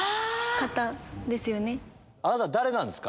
あなた誰なんですか？